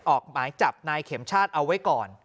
ออกหมายจับนายเข็มชาติเอาไว้ก่อน